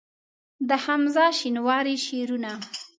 د حمزه شینواري شعرونه